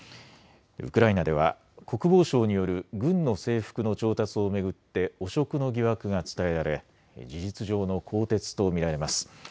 ウクライナでは国防省による軍の制服の調達を巡って汚職の疑惑が伝えられ事実上の更迭と見られます。